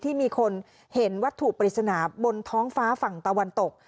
ที่มีคนเห็นวัตถุปริศนาบนท้องฟ้าฝั่งตะวันตก